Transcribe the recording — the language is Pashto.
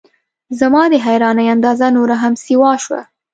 زما د حیرانۍ اندازه نوره هم سیوا شوه.